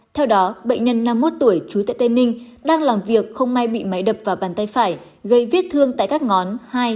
theo đó bệnh nhân năm mươi một tuổi trú tại tây ninh đang làm việc không may bị máy đập vào bàn tay phải gây viết thương tại các ngón hai ba bốn